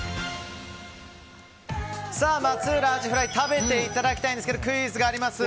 松浦アジフライ食べていただきたいんですけどクイズがあります。